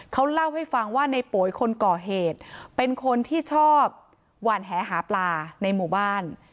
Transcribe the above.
เขาเล่าให้ฟังว่าในโป๋ยคนก่อเหตุเป็นคนที่ชอบหวานแหหาปลาในหมู่บ้าน